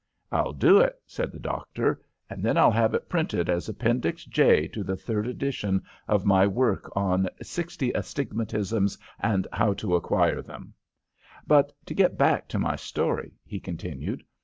"I'll do it," said the doctor; "and then I'll have it printed as Appendix J to the third edition of my work on Sixty Astigmatisms, and How to Acquire Them. But to get back to my story," he continued.